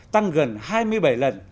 tăng gần hai mươi bảy lần